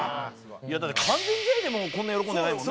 だって完全試合でもこんな喜んでないもんね。